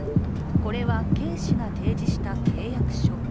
これは、Ｋ氏が提示した契約書。